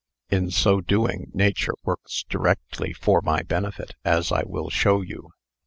In so doing, Nature works directly for my benefit, as I will show you.